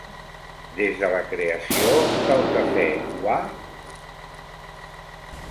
Des de la creació del Cafè Wha?